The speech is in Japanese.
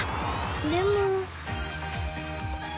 でも。